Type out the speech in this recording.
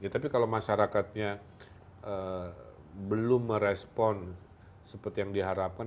tapi kalau masyarakatnya belum merespon seperti yang diharapkan